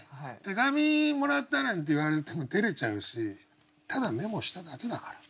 「手紙もらった」なんて言われてもてれちゃうし「ただメモしただけだから」